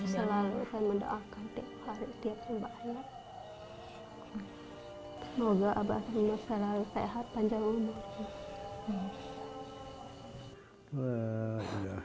selalu saya mendoakan tiap hari tiap minggu banyak